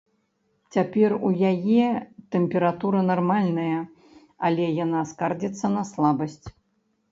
Цяпер у яе тэмпература нармальная, але яна скардзіцца на слабасць.